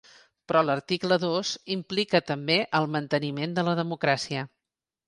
Però l’article dos implica també el manteniment de la democràcia.